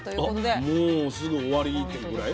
あもうすぐ終わりっていうぐらい？